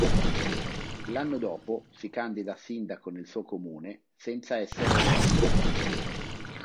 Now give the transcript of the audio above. L'anno dopo si candida a sindaco nel suo comune, senza essere eletto.